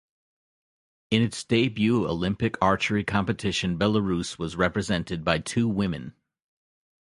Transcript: In its debut Olympic archery competition, Belarus was represented by two women.